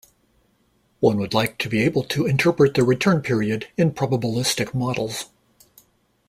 One would like to be able to interpret the return period in probabilistic models.